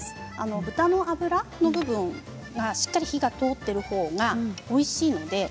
豚の脂の部分がしっかり火が通っているほうがおいしいので。